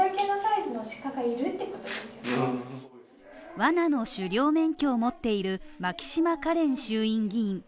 わなの狩猟免許を持っている牧島かれん衆院議員。